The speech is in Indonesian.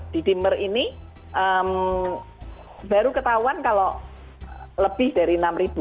di dimmer ini baru ketahuan kalau lebih dari enam ribu